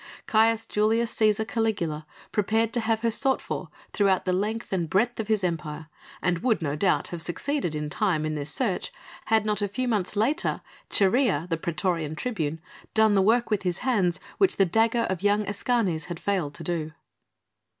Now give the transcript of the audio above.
Caius Julius Cæsar Caligula prepared to have her sought for throughout the length and breadth of his Empire, and would no doubt have succeeded in time in this search had not a few months later Chaerea, the praetorian tribune, done the work with his hands which the dagger of young Escanes had failed to do.